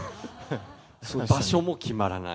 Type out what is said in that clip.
場所も決まらない。